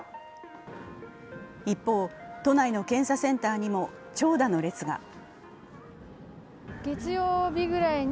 一方、都内の検査センターにも長蛇の列が。